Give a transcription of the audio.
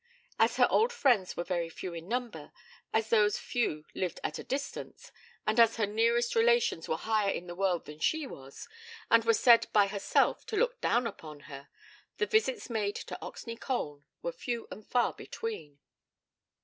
As her old friends were very few in number, as those few lived at a distance, and as her nearest relations were higher in the world than she was, and were said by herself to look down upon her, the visits made to Oxney Colne were few and far between.